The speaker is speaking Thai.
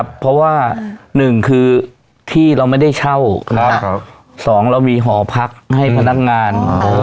เพราะว่าหนึ่งคือที่เราไม่ได้เช่าสองเรามีหอพักให้พนักงาน